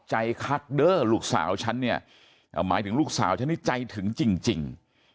คักเด้อลูกสาวฉันเนี่ยหมายถึงลูกสาวฉันนี่ใจถึงจริง